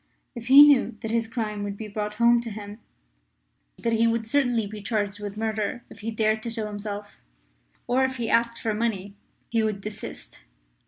If he knew that his crime could be brought home to him; that he would certainly be charged with murder if he dared to show himself, or if he asked for money, he would desist.